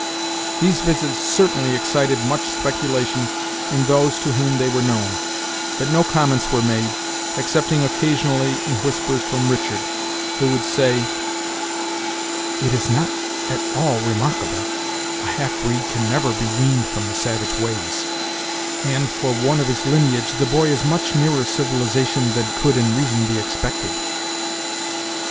These visits certainly excited much speculation in those to whom they were known, but no comments were made, excepting occasionally in whispers from Richard, who would say: "It is not at all remarkable; a half breed can never be weaned from the savage ways and, for one of his lineage, the boy is much nearer civilization than could, in reason, be expected."